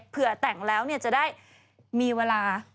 เผื่อแต่งแล้วจะได้มีเวลา